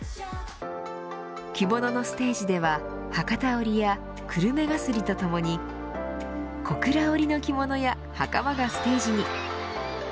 着物のステージでは博多織や久留米絣とともに小倉織の着物やはかまがステージに。